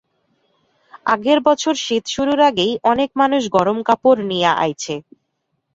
আগের বছর শীত শুরুর আগেই অনেক মানুষ গরম কাপড় নিয়া আইছে।